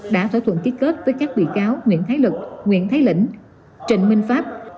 đã thỏa thuận ký kết với các bị cáo nguyễn thái lực nguyễn thái lĩnh trình minh pháp